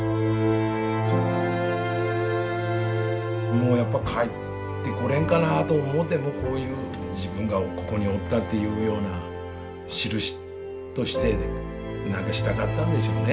もうやっぱ帰ってこれんかなと思ってもうこういう自分がここにおったというようなしるしとして何かしたかったんでしょうね